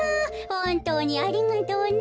ほんとうにありがとうね。